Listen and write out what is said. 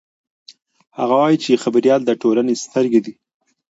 هغه وایي چې خبریال د ټولنې سترګې دي.